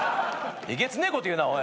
えげつねえこと言うなおい。